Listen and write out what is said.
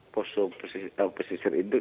pusuh pesisir hidup